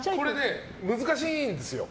難しいんですよ。